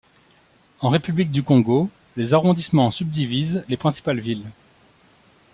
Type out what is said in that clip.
En République du Congo, les arrondissements subdivisent les principales villes.